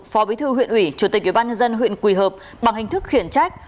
phó bí thư huyện ủy chủ tịch ubnd huyện quỳ hợp bằng hình thức khiển trách